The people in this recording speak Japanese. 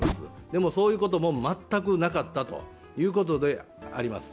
でもそういうことも全くなかったということであります。